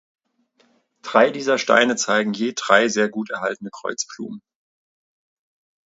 Drei dieser Steine zeigen je drei sehr gut erhaltene Kreuzblumen.